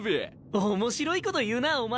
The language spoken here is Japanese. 面白いこと言うなぁお前。